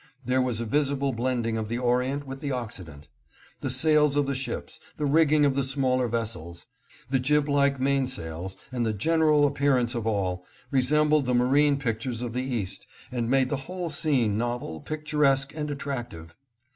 There was a visible blending of the orient with the Occident. The sails of the ships, the rigging of the smaller vessels, the jib like mainsails, and the general appearance of all, resembled the marine pictures of the East and made the whole scene novel, picturesque and attractive.